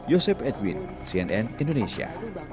yosep edwin cnn indonesia